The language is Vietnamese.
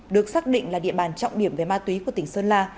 được xác định là địa bàn trọng điểm về ma túy của tỉnh sơn la